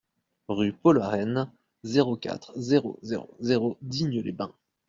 Rue Paul Arène, zéro quatre, zéro zéro zéro Digne-les-Bains